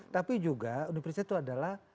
tapi juga universitas itu adalah